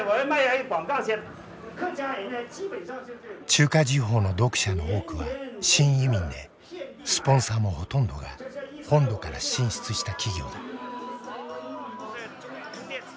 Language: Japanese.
中華時報の読者の多くは新移民でスポンサーもほとんどが本土から進出した企業だ。